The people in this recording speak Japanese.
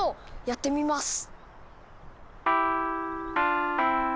やってみます。